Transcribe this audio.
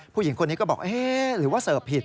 ผู้หญิงคนนี้ก็บอกเอ๊ะหรือว่าเสิร์ฟผิด